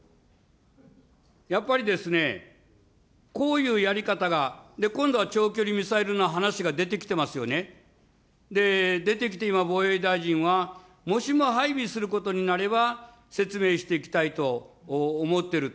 やっぱりですね、こういうやり方が、今度は長距離ミサイルの話が出てきてますよね。出てきて今、防衛大臣は、もしも配備することになれば、説明していきたいと思ってると。